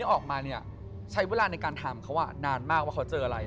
ออกมาเนี่ยใช้เวลาในการทำเขานานมากว่าเขาเจออะไร